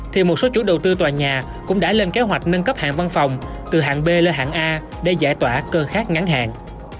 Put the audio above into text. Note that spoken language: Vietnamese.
thì một số chủ đầu tư tòa nhà cũng đã lên kế hoạch nâng cấp hạng văn phòng từ hạng b lên hạng a để giải tỏa cơ khát ngắn hạn